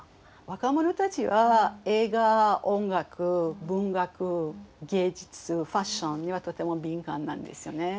若者たちは映画音楽文学芸術ファッションにはとても敏感なんですよね。